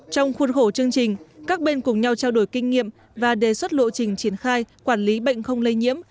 trong khuôn khổ chương trình các bên cùng nhau trao đổi kinh nghiệm